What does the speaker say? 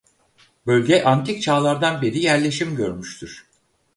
Bölge antik çağlardan beri yerleşim görmüştür.